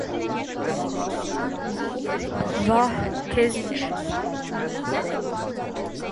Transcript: - Վա՜հ, քեզ ի՞նչ: